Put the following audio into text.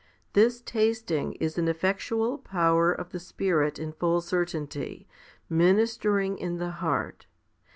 1 This tasting is an effectual power of the Spirit in full certainty, ministering in the heart.